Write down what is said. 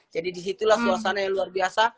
jadi disitulah suasana yang luar biasa